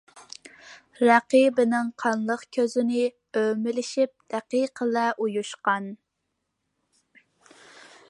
رەقىبلىرىنىڭ قانلىق كۆزىنى ئۆمىلىشىپ، دەقىقىلا ئۇيۇشقان.